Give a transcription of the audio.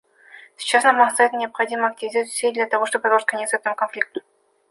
Сейчас нам настоятельно необходимо активизировать усилия для того, чтобы положить конец этому конфликту.